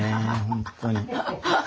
本当に。